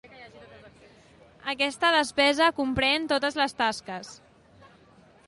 Aquesta despesa comprèn totes les tasques.